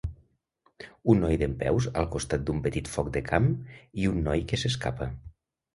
Un noi dempeus al costat d'un petit foc de camp i un noi que s'escapa.